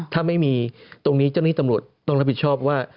ถ้าไม่มีตรงนี้เจ้าหน้าที่ตำรวจต้องรับผิดชอบว่า